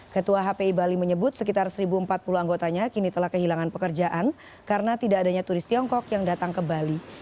ketua hpi bali menyebut sekitar satu empat puluh anggotanya kini telah kehilangan pekerjaan karena tidak adanya turis tiongkok yang datang ke bali